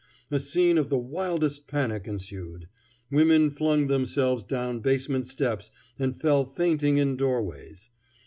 A scene of the wildest panic ensued. Women flung themselves down basement steps and fell fainting in doorways.